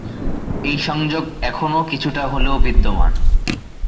এই সংযোগ এখনও কিছুটা হলেও বিদ্যমান।